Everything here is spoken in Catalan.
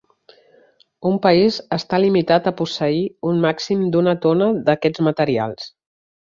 Un país està limitat a posseir un màxim d'una tona d'aquests materials.